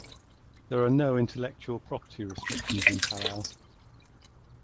There are no intellectual property restrictions in Palau.